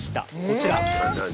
こちら。